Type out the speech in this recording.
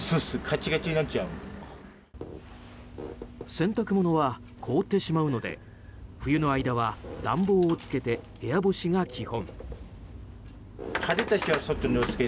洗濯物は凍ってしまうので冬の間は、暖房をつけて部屋干しが基本。